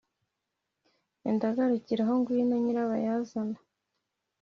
enda garukira aho ngwino nyirabazana,